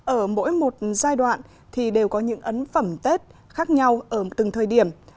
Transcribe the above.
ở mỗi một giai đoạn thì đều có những ấn phẩm tết khác nhau ở từng thời điểm